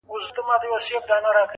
پر يارانو شنې پيالې ډكي له مُلو.!